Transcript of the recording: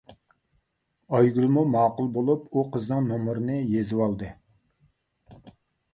ئايگۈلمۇ ماقۇل بولۇپ ئۇ قىزنىڭ نومۇرىنى يېزىۋالدى.